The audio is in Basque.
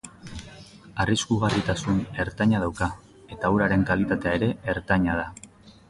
Arriskugarritasun ertaina dauka, eta uraren kalitatea ere ertaina da.